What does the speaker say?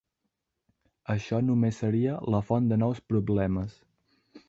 Això només seria la font de nous problemes.